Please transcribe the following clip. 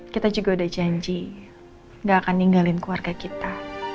kita juga udah janji nggak akan ninggalin keluarga kita